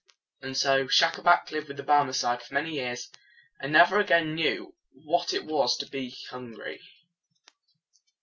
And so Schacabac lived with the Barmecide many years, and never again knew what it was to be hungry.